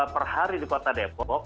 per hari di kota depok